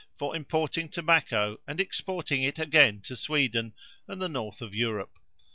For importing tobacco, and exporting it again to Sweden and the north of Europe.